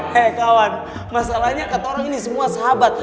hei kawan masalahnya katorang ini semua sahabat